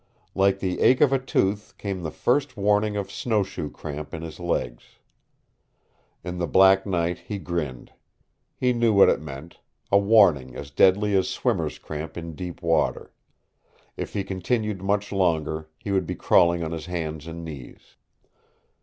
Like the ache of a tooth came the first warning of snowshoe cramp in his legs. In the black night he grinned. He knew what it meant a warning as deadly as swimmer's cramp in deep water. If he continued much longer he would be crawling on his hands and knees.